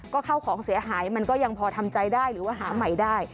ก็เข้าของเสียหายมันก็ยังพอทำใจได้หรือว่าหาใหม่ได้